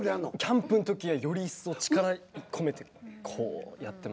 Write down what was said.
キャンプのときはよりいっそう力込めてこうやってますね。